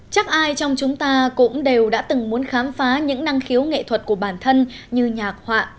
chắc ai trong chúng ta cũng đều đã từng muốn khám phá những năng khiếu nghệ thuật của bản thân như nhạc họa